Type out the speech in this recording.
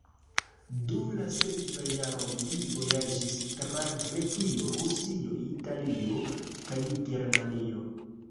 Dum la sekvaj jaroj li vojaĝis tra Grekio, Rusio, Italio kaj Germanio.